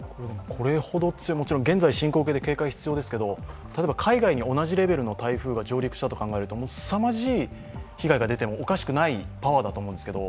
現在進行形で警戒が必要ですけど海外に同じレベルの台風が上陸したと考えるとすさまじい被害が出てもおかしくないパワーだと思うんですけど？